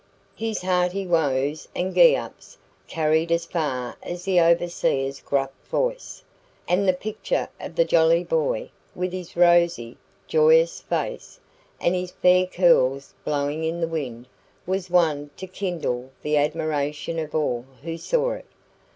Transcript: His hearty whoas and gee ups carried as far as the overseer's gruff voice; and the picture of the jolly boy, with his rosy, joyous face, and his fair curls blowing in the wind, was one to kindle the admiration of all who saw it.